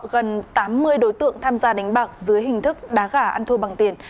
gần tám mươi đối tượng tham gia đánh bạc dưới hình thức đá gà ăn thua bằng tiền